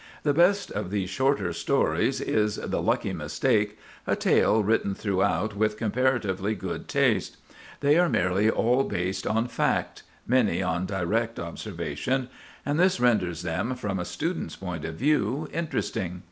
The best of these shorter stories is "The Lucky Mistake," a tale written throughout with comparatively good taste. They are nearly all based on fact—many on direct observation; and this renders them, from a student's point of view, interesting.